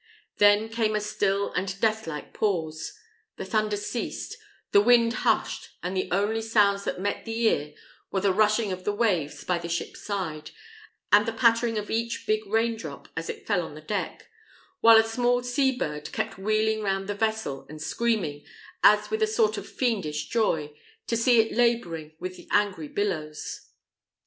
Then came a still and death like pause; the thunder ceased, the wind hushed, and the only sounds that met the ear were the rushing of the waves by the ship's side, and the pattering of each big raindrop as it fell on the deck; while a small sea bird kept wheeling round the vessel, and screaming, as with a sort of fiendish joy, to see it labouring with the angry billows.